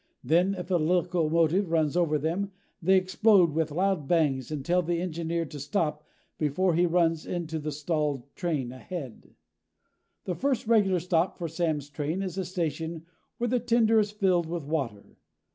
Then, if a locomotive runs over them, they explode with loud bangs that tell the engineer to stop before he runs into the stalled train ahead. The first regular stop for Sam's train is a station where the tender is filled with water.